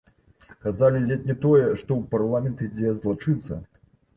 Казалі ледзь не тое, што ў парламент ідзе злачынца!